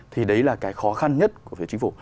thì đấy là cái khó khăn nhất của phía chính phủ